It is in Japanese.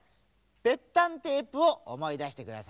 ぺったんテープをおもいだしてくださいね。